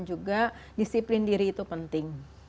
juga disiplin diri itu penting